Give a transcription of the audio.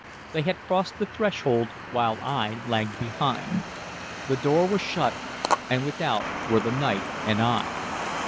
They had crossed the threshold while I lagged behind. The door was shut, and without were the night and I.